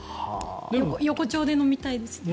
横丁で飲みたいですね。